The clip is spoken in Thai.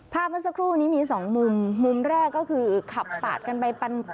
เมื่อสักครู่นี้มีสองมุมมุมแรกก็คือขับปาดกันไปปัน